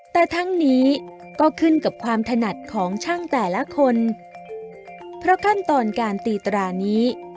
แต่ทั้งนี้ก็ขึ้นกับความถนัดของช่างแต่ละคนเพราะขั้นตอนการตีตรานี้